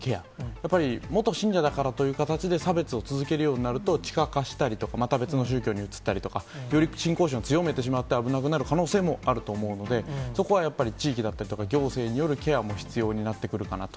やっぱり元信者だからという形で、差別を続けるようになると、ちかかしたりとか、また別の宗教に移ったりとか、より信仰心を強めてしまって、危なくなる可能性もあると思うので、そこはやっぱり、地域だったりとか、行政によるケアも必要になってくるかなと。